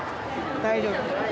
大丈夫。